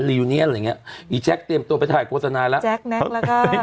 อะไรเงี้ยไอแจ๊กเตรียมตัวไปถ่ายโฆษณาแล้ว